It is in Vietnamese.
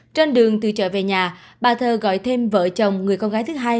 trên đường từ chợ về nhà bà thơ gọi thêm vợ chồng người con gái thứ hai